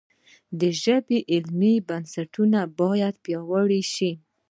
د ژبې علمي بنسټونه باید پیاوړي شي.